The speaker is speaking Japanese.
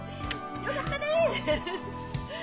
よかったねえ！